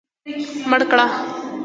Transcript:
مړ کړه.